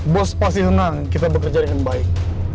bos pasti senang kita bekerja dengan baik